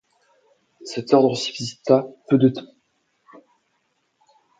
Cet ordre subsista peu de temps.